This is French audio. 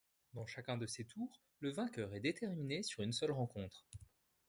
Dans chacun de ces tours, le vainqueur est déterminé sur une seule rencontre.